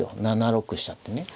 ７六飛車ってね。